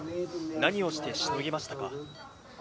何をしてしのぎましたか。